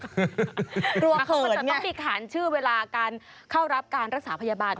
ต้องมีขาดชื่อเวลาการเข้ารับการรักษาพยาบาล